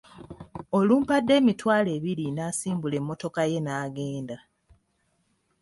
Olumpadde emitwalo ebiri n'asimbula emmotoka ye n'agenda.